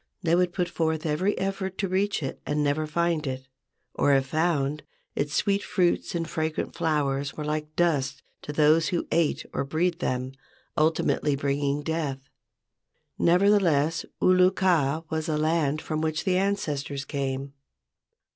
They would put forth every effort to reach it and never find it, or, if found, its sweet fruits and fragrant flowers were like dust to those who ate or breathed them, ultimately bringing death. Nevertheless, Ulu kaa was a land from which the ancestors came.